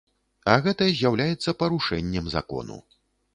А гэта з'яўляецца парушэннем закону.